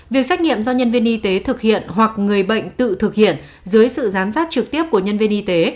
việc xét nghiệm do nhân viên y tế thực hiện hoặc người bệnh tự thực hiện dưới sự giám sát trực tiếp của nhân viên y tế